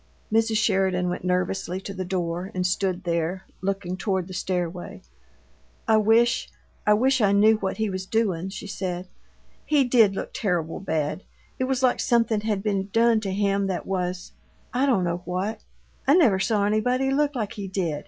Mrs. Sheridan went nervously to the door and stood there, looking toward the stairway. "I wish I wish I knew what he was doin'," she said. "He did look terrible bad. It was like something had been done to him that was I don't know what. I never saw anybody look like he did.